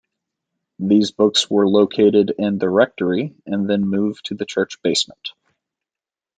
These books were located in the rectory and then moved to the church basement.